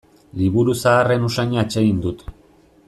Liburu zaharren usaina atsegin dut.